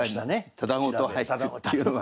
ただごとっていうのが。